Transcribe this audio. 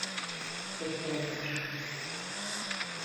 Doktorlar…